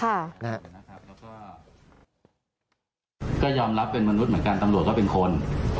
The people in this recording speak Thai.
แล้วก็ยอมรับเป็นมนุษย์เหมือนกันตำรวจก็เป็นคน